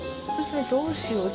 どうしよう？